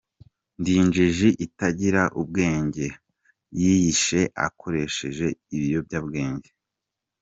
Ni injiji itagira ubwenge, yiyishe akoresheje ibiyobyabwenge….